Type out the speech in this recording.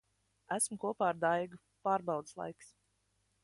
Esmu kopā ar Daigu. Pārbaudes laiks.